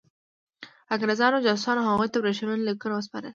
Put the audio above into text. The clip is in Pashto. انګرېزانو جاسوسانو هغوی ته ورېښمین لیکونه وسپارل.